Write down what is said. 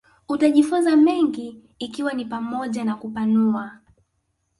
utajifunza mengi ikiwa ni pamoja na kupanua